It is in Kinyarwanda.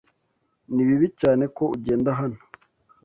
Nibibi cyane ko ugenda hano